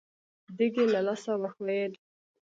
دېګ يې له لاسه وښوېد.